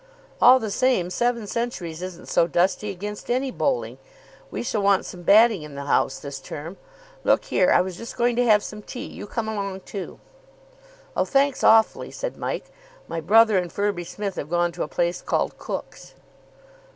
"All the same, seven centuries isn't so dusty against any bowling. We shall want some batting in the house this term. Look here, I was just going to have some tea. You come along, too." "Oh, thanks awfully," said Mike. "My brother and Firby Smith have gone to a place called Cook's."